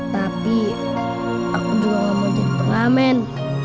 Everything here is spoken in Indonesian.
tapi aku juga enggak mau jadi peramen